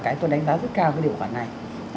cái tôi đánh giá rất cao cái điều khoản này